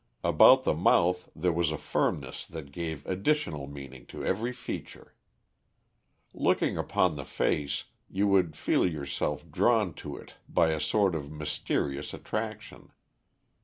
About the mouth, there was a firmness that gave additional meaning to every feature. Looking upon the face, you would feel yourself drawn to it by a sort of mysterious attraction.